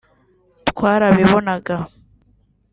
“twarabibonaga